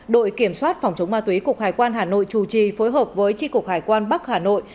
đội kiểm soát phòng chống ma túy cục hải quan hà nội chủ trì phối hợp với tri cục hải quan bắc hà nội